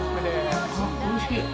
おいしい。